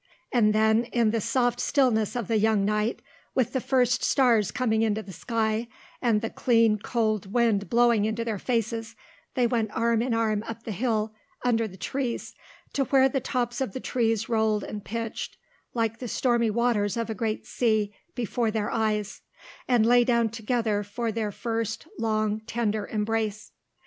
And then, in the soft stillness of the young night, with the first stars coming into the sky and the clean cold wind blowing into their faces, they went arm in arm up the hill under the trees to where the tops of the trees rolled and pitched like the stormy waters of a great sea before their eyes, and lay down together for their first long tender embrace.